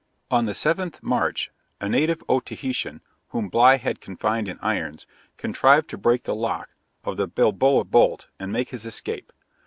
On the 7th March, a native Otaheitan, whom Bligh had confined in irons, contrived to break the lock of the bilboa bolt and make his escape.